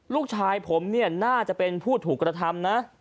ลูกชายผมเนี่ยน่าจะเป็นผู้ถูกกระทำนะ